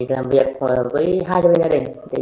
làm việc phối hợp với hai gia đình